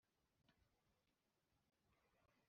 Mana ya Israheli,